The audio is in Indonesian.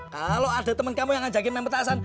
kalo ada temen kamu yang ngajakin main petasan